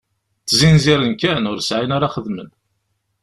Ttzinziren kan, ur sεin ara xedmen.